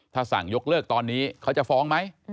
ถ้าสั่งยกเลิกตอนนี้เขาจะฟ้องไหม